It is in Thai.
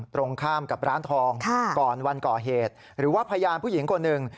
ตรงข้ามกับร้านทองก่อนวันก่อเหตุหรือว่าพยานผู้หญิงคนหนึ่ง